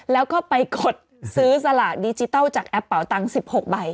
แล้วก็ไปกดซื้อสลากดิจิทัลจากแอปเป่าตัง๑๖ใบ